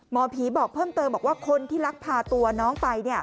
หมอผีบอกเพิ่มเติมบอกว่าคนที่ลักพาตัวน้องไป